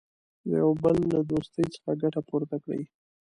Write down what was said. د یوه بل له دوستۍ څخه ګټه پورته کړي.